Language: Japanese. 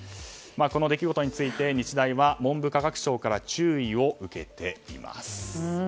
この出来事について日大は文部科学省から注意を受けています。